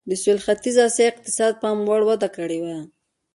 د سوېل ختیځې اسیا اقتصاد پاموړ وده کړې وه.